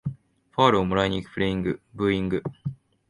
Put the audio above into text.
ファールをもらいにいくプレイにブーイング